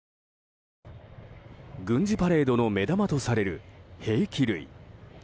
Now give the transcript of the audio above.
軍事パレードの目玉とされる兵器類。